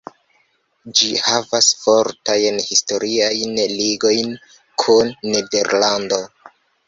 Ĝi havas fortajn historiajn ligojn kun Nederlando.